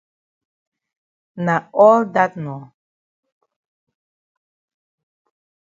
Na all dat nor.